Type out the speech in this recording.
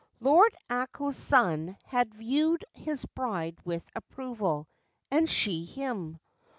Lord Ako's second son had viewed his bride with approval, and she him.